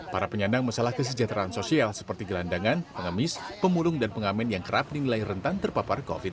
para penyandang masalah kesejahteraan sosial seperti gelandangan pengemis pemulung dan pengamen yang kerap dinilai rentan terpapar covid sembilan belas